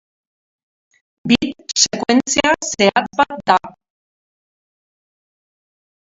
Bit sekuentzia zehatz bat da.